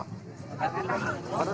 bawa ke posen